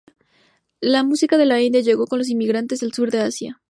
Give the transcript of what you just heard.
La Música de la India llegó con los inmigrantes del sur de Asia.